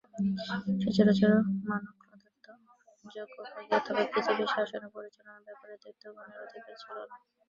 সচরাচর মানব-প্রদত্ত যজ্ঞভাগে অথবা পৃথিবীর শাসন ও পরিচালন-ব্যাপারে দৈত্যগণের অধিকার ছিল না।